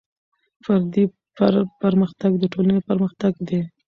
فردي پرمختګ د ټولنې پرمختګ دی.